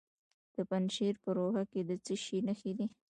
د پنجشیر په روخه کې د څه شي نښې دي؟